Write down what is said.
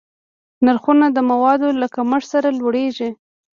نرخونه د موادو له کمښت سره لوړېږي.